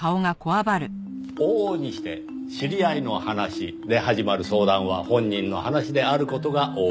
往々にして「知り合いの話」で始まる相談は本人の話である事が多い。